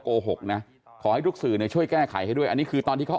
โกหกนะขอให้ทุกสื่อเนี่ยช่วยแก้ไขให้ด้วยอันนี้คือตอนที่เขา